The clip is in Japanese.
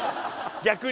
逆に。